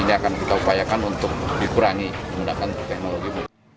ini akan kita upayakan untuk dikurangi menggunakan teknologi